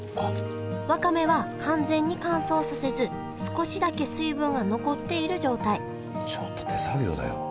わかめは完全に乾燥させず少しだけ水分が残っている状態ちょっと手作業だよ。